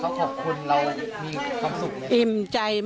การแก้เคล็ดบางอย่างแค่นั้นเอง